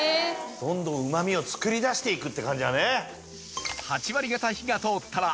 どんどんうまみを作り出していくって感じだね。